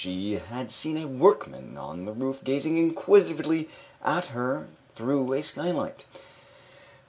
She had seen a workman on the roof gazing inquisitively at her through a skylight.